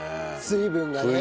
水分がね。